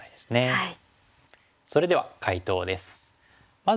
はい。